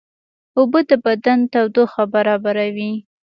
اوبه د بدن تودوخه برابروي